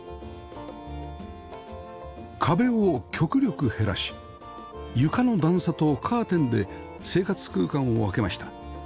壁を極力減らし床の段差とカーテンで生活空間を分けました